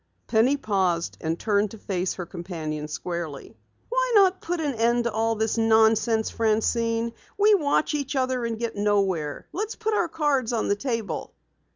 Penny paused and turned to face her companion squarely. "Why not put an end to all this nonsense, Francine? We watch each other and get nowhere. Let's put our cards on the table."